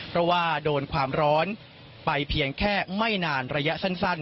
เพราะว่าโดนความร้อนไปเพียงแค่ไม่นานระยะสั้น